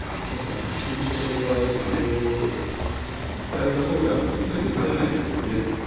本当にこれは実態がそうであるとするなら許されないですよね。